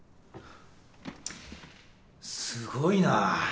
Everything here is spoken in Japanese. すごいな。